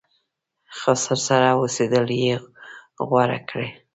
خسر سره اوسېدل یې غوره کړه.